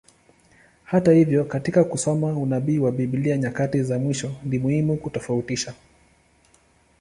Hata hivyo, katika kusoma unabii wa Biblia nyakati za mwisho, ni muhimu kutofautisha.